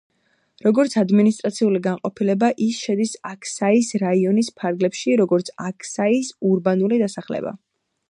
როგორც ადმინისტრაციული განყოფილება, ის შედის აქსაის რაიონის ფარგლებში, როგორც აქსაის ურბანული დასახლება.